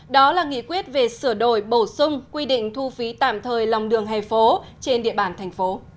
đó là nghị quyết về sửa đổi bổ sung quy định thu phí tạm thời lòng đường hè phố trên địa bàn thành phố